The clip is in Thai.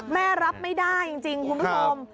รับไม่ได้จริงคุณผู้ชม